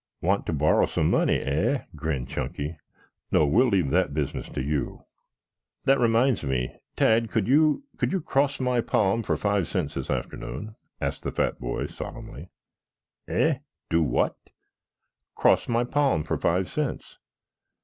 "Want to borrow some money, eh?" grinned Chunky. "No, we'll leave that business to you." "That reminds me, Tad, could you could you cross my palm for five cents this afternoon?" asked the fat boy solemnly. "Eh? Do what?" "Cross my palm for five cents?"